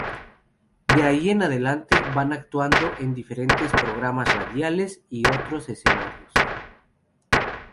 De ahí en adelante van actuando en diferentes programas radiales y otros escenarios.